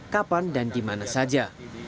kapan dan dimana saja